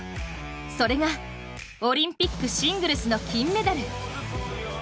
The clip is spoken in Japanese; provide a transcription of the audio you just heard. それが、オリンピックシングルスの金メダル。